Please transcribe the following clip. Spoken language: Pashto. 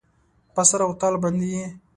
په سر او تال باندې یې